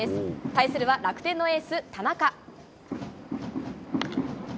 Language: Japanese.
対するは、楽天のエース、田中。